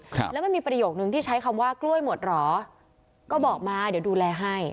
ครับแล้วมันมีประโยคนึงที่ใช้คำว่ากล้วยหมดเหรอก็บอกมาเดี๋ยวดูแลให้